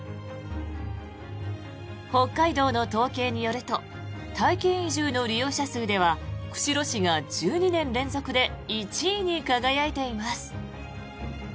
北海道の統計によると体験移住の利用者数では釧路市が１２年連続で１位に輝いています。